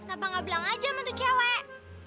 apa nggak bilang aja mantu cewek